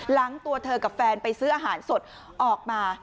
ตัวเธอกับแฟนไปซื้ออาหารสดออกมา